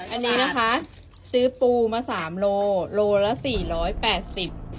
อันนี้นะคะซื้อปูมาสามโลโลโลละสี่ร้อยแปดสิบ